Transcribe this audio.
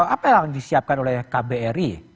apa yang disiapkan oleh kbri